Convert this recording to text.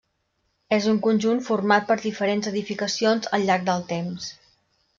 És un conjunt format per diferents edificacions al llarg del temps.